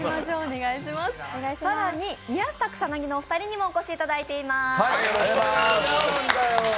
更に、宮下草薙のお二人にもお越しいただいています。